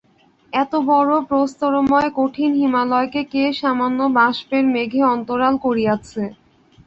এতবড়ো প্রস্তরময় কঠিন হিমালয়কে কে সামান্য বাষ্পের মেঘে অন্তরাল করিয়াছে।